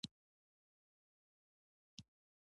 په پیسو سره ځان او مال بیمه کولی شې خو حفاظت نه شې.